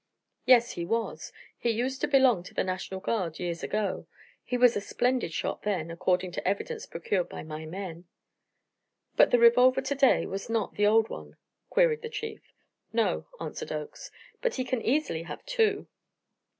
"Yes, he was; he used to belong to the National Guard years ago. He was a splendid shot then, according to evidence procured by my men." "But the revolver to day was not the old one?" queried the Chief. "No," answered Oakes; "but he can easily have two."